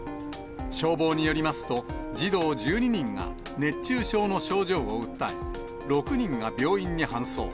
消防によりますと、児童１２人が、熱中症の症状を訴え、６人が病院に搬送。